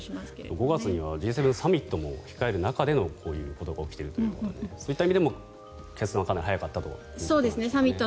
５月にはＧ７サミットを控える中でのこういうことが起きているということでそういった意味でも決断はかなり早かったということでしょうね。